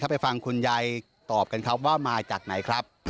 ไปฟังคุณยายตอบกันครับว่ามาจากไหนครับ